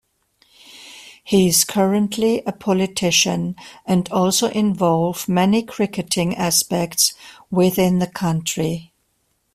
He is currently a politician and also involve many cricketing aspects within the country.